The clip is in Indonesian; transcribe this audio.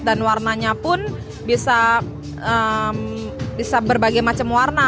dan warnanya pun bisa berbagai macam warna